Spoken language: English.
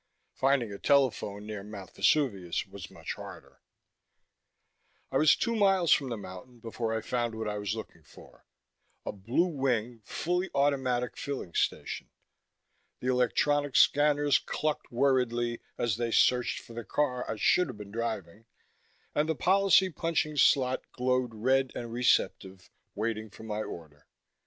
Finding a telephone near Mount Vesuvius was much harder. I was two miles from the mountain before I found what I was looking for a Blue Wing fully automatic filling station. The electronic scanners clucked worriedly, as they searched for the car I should have been driving, and the policy punching slot glowed red and receptive, waiting for my order.